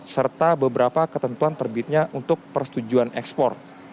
serta beberapa ketentuan terbitnya untuk persetujuan ekspor